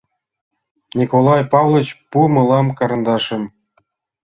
— Николай Павлыч, пу мылам карандашым!